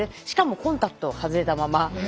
しかもコンタクト外れたまま。